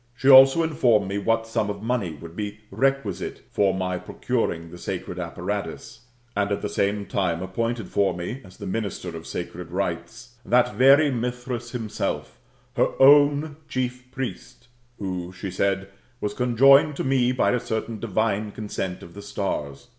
She also informed me what sum of money would be requisite for my procuring the sacred apparatus, and at the same time appointed for me, as the minister of sacred rites, that very Mithras himself, her own chief priest, who, she said, was conjoinicd to me by a certain divine consent of the ^ stars.